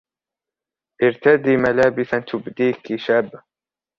ارتدي ملابسا تبديكِ شابة.